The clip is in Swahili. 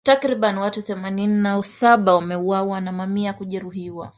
Takribani watu themanini na saba wameuawa na mamia kujeruhiwa